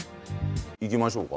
いきましょうか？